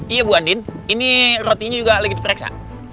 iya bu andin ini rotinya juga lagi terperiksa